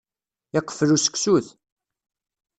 Iqfel useksut.